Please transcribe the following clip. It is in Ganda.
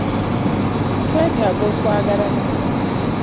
Twetaaga okwagalana.